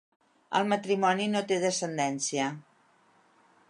El matrimoni no té descendència.